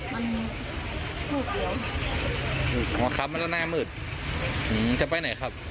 มันถูกหรืออ๋อครับมันจะแน่มืดอืมจะไปไหนครับ